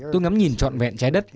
tôi ngắm nhìn trọn vẹn trái đất